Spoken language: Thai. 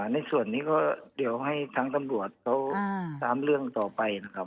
ในส่วนนี้ก็เดี๋ยวให้ทางตำรวจเขาตามเรื่องต่อไปนะครับ